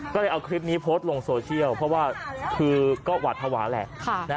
ก็เลยเอาคลิปนี้โพสต์ลงโซเชียลเพราะว่าคือก็หวาดภาวะแหละ